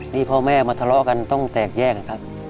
นี่พ่อแม่มาทะเลาะกันต้องแตกแยกนะครับ